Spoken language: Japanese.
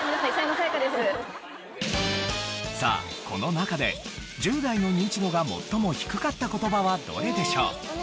さあこの中で１０代のニンチドが最も低かった言葉はどれでしょう？